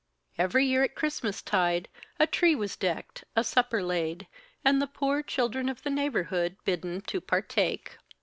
Every year at Christmastide a tree was decked, a supper laid, and the poor children of the neighborhood bidden to partake.